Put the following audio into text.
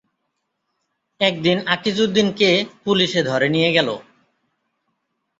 একদিন আকিজউদ্দীনকে পুলিশে ধরে নিয়ে গেল।